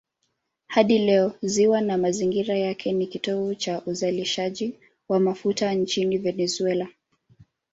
Hadi leo ziwa na mazingira yake ni kitovu cha uzalishaji wa mafuta nchini Venezuela.